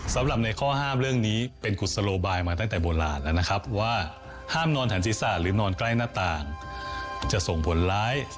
สำหรับในข้อห้ามเรื่องนี้เป็นกุศโลบายมาตั้งแต่โบราณแล้วนะครับว่าห้ามนอนหันศีรษะหรือนอนใกล้หน้าต่างจะส่งผลร้าย